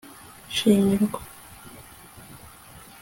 shimirwa